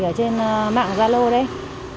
ở trên mạng zalo đấy